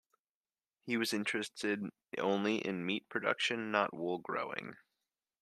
He was interested only in meat production, not wool growing.